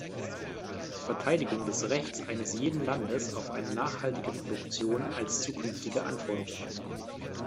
Verteidigung des Rechts eines jeden Landes auf eine nachhaltige Produktion als zukünftige Anforderung.